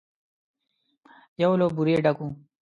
يو له بورې ډک و.